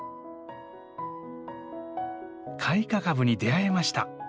開花株に出会えました。